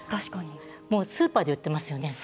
もうスーパーで売ってますよね。